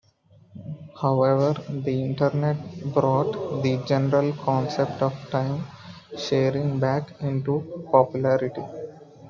However, the Internet brought the general concept of time-sharing back into popularity.